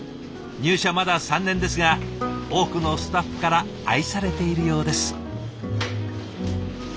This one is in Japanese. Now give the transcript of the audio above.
入社まだ３年ですが多くのスタッフから愛されているようです。